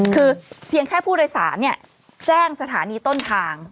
คือเพียงแค่ผู้โดยสารแจ้งสถานีต้นทาง